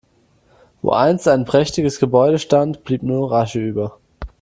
Wo einst ein prächtiges Gebäude stand, blieb nur noch Asche über.